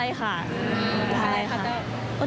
ใช่ค่ะเต้า